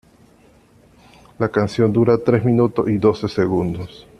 La canción dura tres minutos y doce segundos.